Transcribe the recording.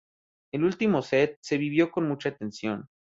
El último set, se vivió con mucha tensión.